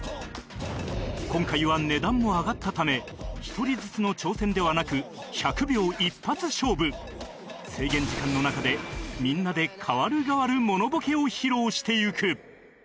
今回は値段も上がったため１人ずつの挑戦ではなく制限時間の中でみんなで代わる代わるモノボケを披露していく